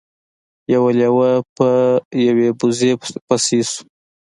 یو لیوه په یوې وزې پسې شو.